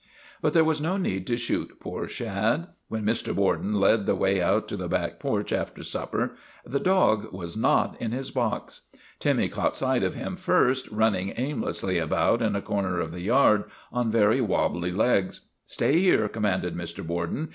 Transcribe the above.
But there was no need to shoot poor Shad. When Mr. Borden led the way out to the back porch after supper the dog was not in his box. Timmy caught sight of him first, running aimlessly about in a corner of the yard on very wabbly legs. " Stay here," commanded Mr. Borden.